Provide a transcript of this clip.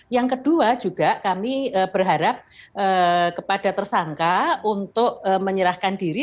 yang kedua juga kami berharap kepada tersangka untuk menyerahkan diri